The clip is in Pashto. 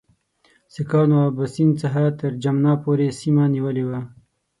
سیکهانو اباسین څخه تر جمنا پورې سیمه نیولې وه.